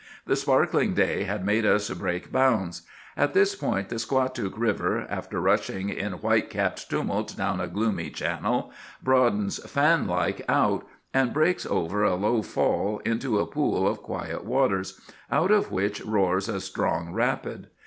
The sparkling day had made us break bounds. At this point the Squatook River, after rushing in white capped tumult down a gloomy channel, broadens fan like out, and breaks over a low fall into a pool of quiet waters, out of which roars a strong rapid.